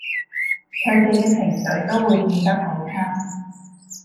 佢哋嘅情緒都會變得好差